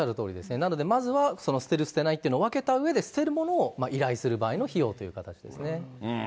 なのでまずは捨てる、捨てないっていうのを、分けたうえで、捨てるものを依頼する場合の費用という形ですね。